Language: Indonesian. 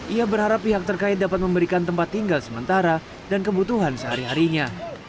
ia berharap pihak terkait dapat memberikan tempat tinggal sementara dan kebutuhan sehari harinya